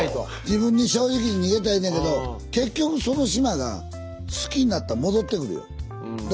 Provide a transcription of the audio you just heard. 自分に正直に逃げたらいいねんけど結局その島な好きになったら戻ってくるよ。